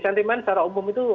sentimen secara umum itu